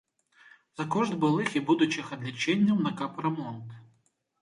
За кошт былых і будучых адлічэнняў на капрамонт.